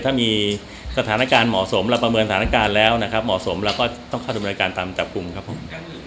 ถ้ามีสถานการณ์เหมาะสมเราประเมินสถานการณ์แล้วนะครับเหมาะสมเราก็ต้องเข้าดำเนินการตามจับกลุ่มครับผม